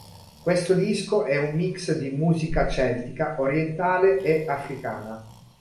Questo disco è un mix di musica celtica, orientale e africana.